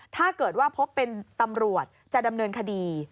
ถ้าเกิดว่าพบเป็นตำรวจจะดำเนินคดี